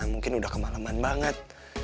mungkin udah kemaleman banget